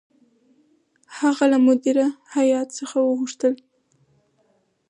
هغه له مدیره هیات څخه وغوښتل.